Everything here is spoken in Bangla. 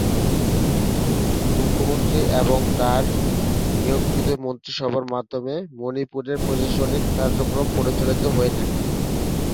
মুখ্যমন্ত্রী এবং তার নিয়োগকৃত মন্ত্রিসভার মাধ্যমে মণিপুরের প্রশাসনিক কার্যক্রম পরিচালিত হয়ে থাকে।